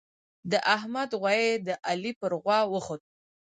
د احمد غويی د علي پر غوا وخوت.